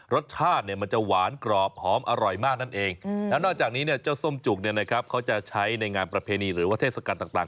รสชาติเนี่ยมันจะหวานกรอบหอมอร่อยมากนั้นเองนอกจากนี้ส้มจุกรเนี่ยนะครับเขาจะใช้ในงานประเพณีหรือว่าเทศักดร